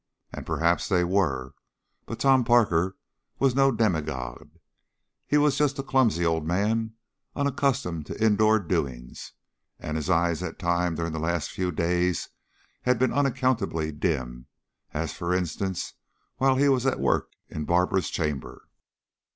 And perhaps they were, but Tom Parker was no demigod. He was just a clumsy old man, unaccustomed to indoor "doings," and his eyes at times during the last few days had been unaccountably dim as, for instance, while he was at work in Barbara's chamber.